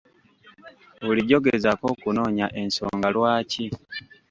Bulijjo gezaako okunoonya ensonga lwaki?